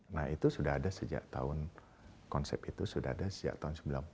nah itu sudah ada sejak tahun konsep itu sudah ada sejak tahun seribu sembilan ratus sembilan puluh